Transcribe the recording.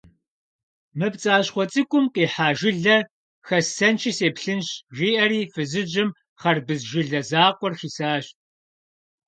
«Мы пцӀащхъуэ цӀыкӀум къихьа жылэр хэссэнщи сеплъынщ», - жиӀэри фызыжьым хъэрбыз жылэ закъуэр хисащ.